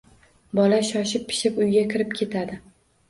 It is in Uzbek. Bola shoshib pishib uyga kirib ketadi...